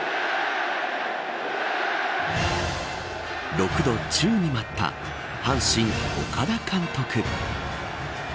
６度宙に舞った阪神、岡田監督。